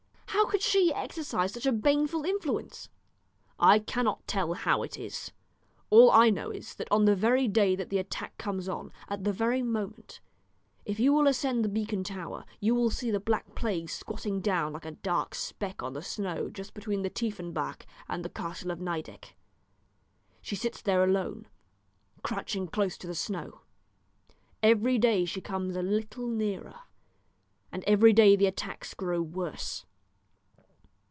"How could she exercise such a baneful influence?" "I cannot tell how it is. All I know is, that on the very day that the attack comes on, at the very moment, if you will ascend the beacon tower, you will see the Black Plague squatting down like a dark speck on the snow just between the Tiefenbach and the castle of Nideck. She sits there alone, crouching close to the snow. Every day she comes a little nearer, and every day the attacks grow worse.